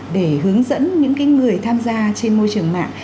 để hướng dẫn những người tham gia trên môi trường mạng